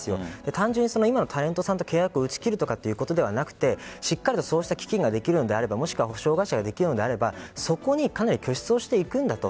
単純に今のタレントさんと契約を打ち切るということではなくしっかりと基金ができるのであれば補償会社ができるのであればそこに拠出をしていくんだと。